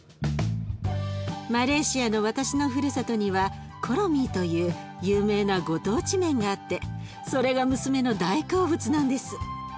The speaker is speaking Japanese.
マレーシアの私のふるさとにはコロミーという有名なご当地麺があってそれが娘の大好物なんです。